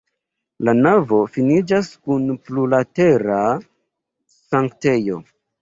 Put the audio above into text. La navo finiĝas kun plurlatera sanktejo.